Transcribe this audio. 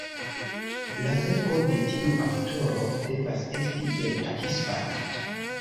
La verko de tiu aŭtoro devas esti en la hispana.